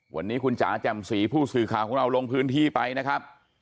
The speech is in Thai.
วันนี้คุณจ๋าแจ่มสีผู้สื่อข่าวของเราลงพื้นที่ไปนะครับ